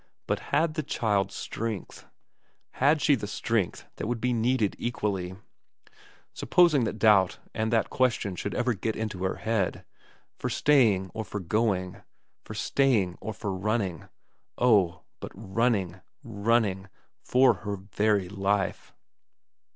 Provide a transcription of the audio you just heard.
But had the child strength ? Had she the strength that would be needed equally supposing that doubt and that ques tion should ever get into her head for staying or for going ; for staying or for running ... oh, but run ning, running, for her very life.